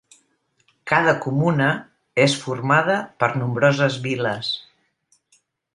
Cada comuna és formada per nombroses viles.